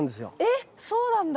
えっそうなんだ。